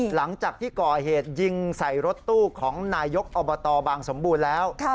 หลังจากที่ก่อเหตุยิงใส่รถตู้ของนายกอบตบางสมบูรณ์แล้ว